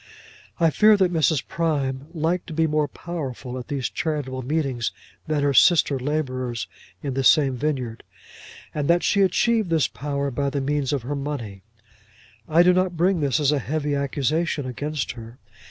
I fear that Mrs. Prime liked to be more powerful at these charitable meetings than her sister labourers in the same vineyard, and that she achieved this power by the means of her money. I do not bring this as a heavy accusation against her.